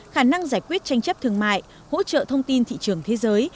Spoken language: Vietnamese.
khả năng giải quyết tranh chấp thương mại hỗ trợ thông tin thị trường thế giới